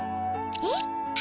えっ？